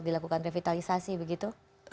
dilakukan revitalisasi begitu